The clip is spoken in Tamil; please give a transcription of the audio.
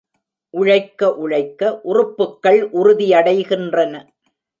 உழைக்க உழைக்க உறுப்புக்கள் உறுதியடைகின்றன.